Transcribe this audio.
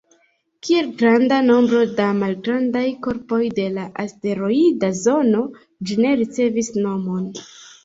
Kiel granda nombro da malgrandaj korpoj de la asteroida zono, ĝi ne ricevis nomon.